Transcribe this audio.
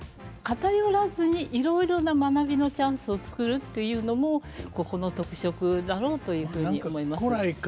偏らずにいろいろな学びのチャンスを作るというのもここの特色だろうというふうに思いますね。